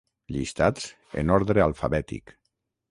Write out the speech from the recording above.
Llistats en ordre alfabètic.